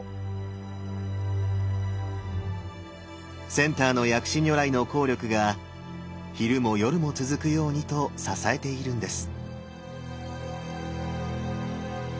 センターの薬師如来の効力が昼も夜も続くようにと支えているんです。